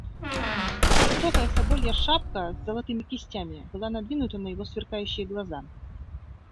Высокая соболья шапка с золотыми кистями была надвинута на его сверкающие глаза.